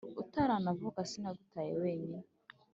utaranavuka sinagutaye wenyine